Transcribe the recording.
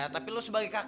tapi lo sebagai kakek